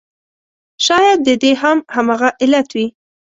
شاید د دې هم همغه علت وي.